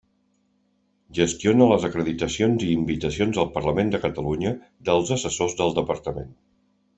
Gestiona les acreditacions i invitacions al Parlament de Catalunya dels assessors del Departament.